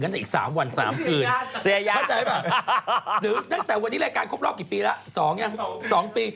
นอนไปเป็นครูอาดแล้วผิดสิ